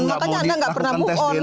makanya anda nggak pernah move on